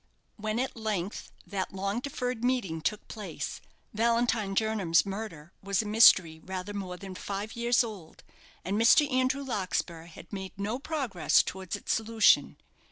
When at length that long deferred meeting took place, Valentine Jernam's murder was a mystery rather more than five years old, and Mr. Andrew Larkspur had made no progress towards its solution.